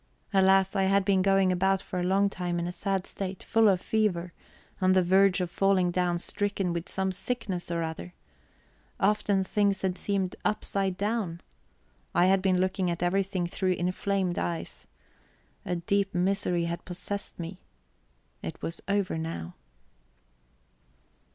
Alas, I had been going about for a long time in a sad state, full of fever, on the verge of falling down stricken with some sickness or other. Often things had seemed upside down. I had been looking at everything through inflamed eyes. A deep misery had possessed me. It was over now.